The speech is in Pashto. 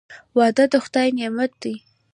• واده د خدای نعمت دی.